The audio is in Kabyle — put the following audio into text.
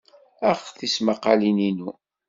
Ax tismaqalin-inu.